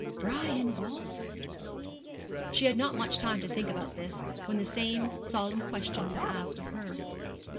Brian Walford! She had not much time to think about this, when the same solemn question was asked of her.